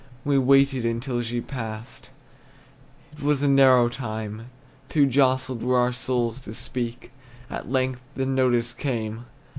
We waited while she passed; It was a narrow time, Too jostled were our souls to speak, At length the notice came.